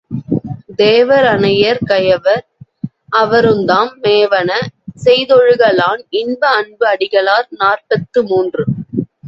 தேவர் அனையர் கயவர் அவருந்தாம் மேவன செய்தொழுக லான் இன்ப அன்பு அடிகளார் நாற்பத்து மூன்று.